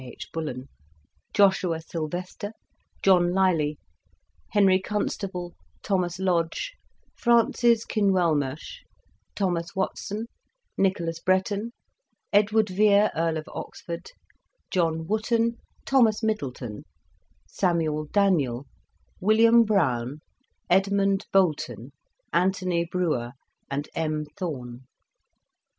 H. Bullen) ; Joshua Sylvester ; John Lyly ; Henry Constable ; Thomas Lodge ; Francis Kinwel mersh ; Thomas Watson ; Nicholas Breton ; Edward Vere, Earl of Oxford ; John Wootton ; Thomas Middleton ; Samuel Daniel ; William Browne ; Edmund Bolton ; Anthony Brewer ; and M. Thorn.